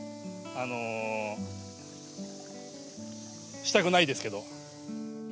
したくないですけど。